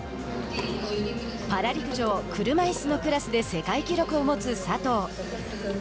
パラ陸上、車いすのクラスで世界記録を持つ佐藤。